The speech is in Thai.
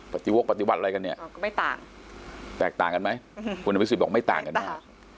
วกปฏิบัติอะไรกันเนี่ยก็ไม่ต่างแตกต่างกันไหมคุณอภิษฎบอกไม่ต่างกันแน่